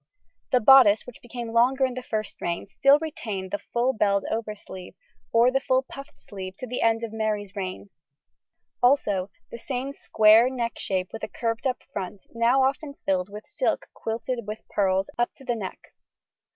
The bodice, which became longer in the first reign, still retained the full belled oversleeve or the full puffed sleeve to the end of Mary's reign, also the same square neck shape with curved up front, now often filled with silk quilted with pearls up to the neck.